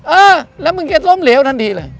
เออแล้วมึงจะล้มเหลวทันทีเลย